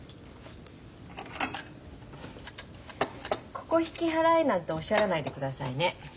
ここ引き払えなんておっしゃらないでくださいね。